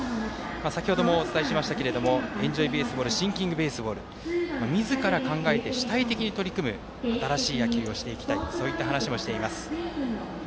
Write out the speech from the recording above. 先ほどもお伝えしましたがエンジョイベースボールシンキングベースボールみずから考えて主体的に取り組む新しい野球をしていきたいという話もしています。